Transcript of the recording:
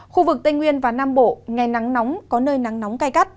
khu vực tây nguyên và nam bộ ngày nắng nóng có nơi nắng nóng cay gắt